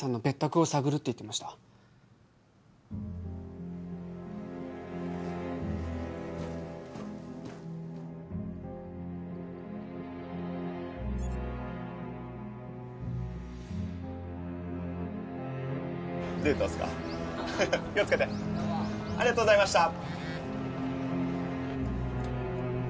気をつけてありがとうございました